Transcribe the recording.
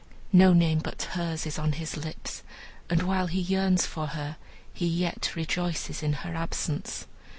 No name but hers is on his lips, and while he yearns for her, he yet rejoices in her absence.